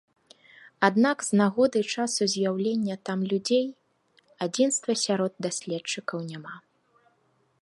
Аднак з нагоды часу з'яўлення там людзей адзінства сярод даследчыкаў няма.